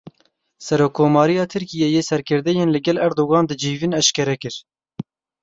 Serokkomariya Tirkiyeyê serkirdeyên li gel Erdogan dicivin eşkere kir.